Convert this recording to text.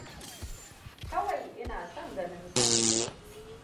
Kawai ina son ganinsa.